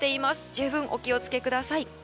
十分お気をつけください。